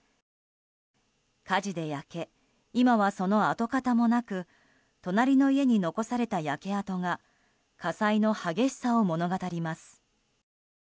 火事で焼け、今はその跡形もなく隣の家に残された焼け跡が火災の激しさを物語ります。